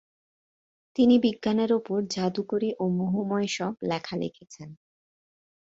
তিনি বিজ্ঞানের ওপর জাদুকরী ও মোহময় সব লেখা লিখেছেন।